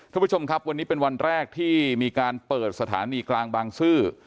ท่านผู้ชมครับวันนี้เป็นวันแรกที่มีการเปิดสถานีกลางบางซื่อ